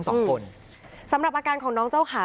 ลองไปดูบรรยากาศช่วงนั้นนะคะ